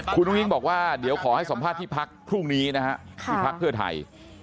คุณอุ้งบอกว่าเดี๋ยวขอให้สัมภาษณ์ที่พักพรุ่งนี้นะฮะที่พักเพื่อไทย